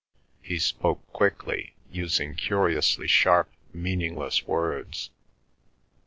He spoke quickly, using curiously sharp, meaningless words.